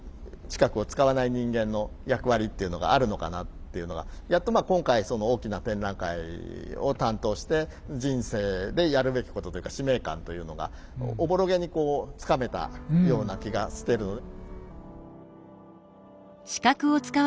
視覚を使わない人間の役割っていうのがあるのかなっていうのはやっと今回大きな展覧会を担当して人生でやるべきことというか使命感というのがおぼろげにこうつかめたような気がしてる。